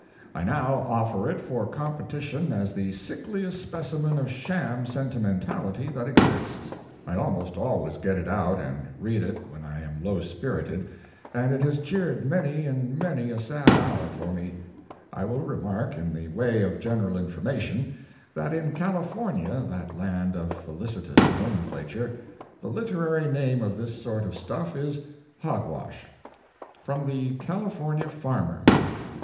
I now offer it for competition as the sickliest specimen of sham sentimentality that exists. I almost always get it out and read it when I am low spirited, and it has cheered many and many a sad hour for me—I will remark in the way of general information, that in California, that land of felicitous nomenclature, the literary name of this sort of stuff is "hogwash": [From the "California Farmer."